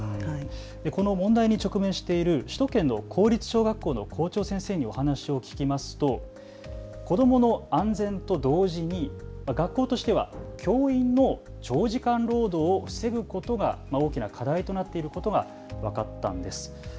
この問題に直面している首都圏の公立小学校の校長先生にお話を聞きますと子どもの安全と同時に学校としては教員の長時間労働を防ぐことが大きな課題となっていることが分かったんです。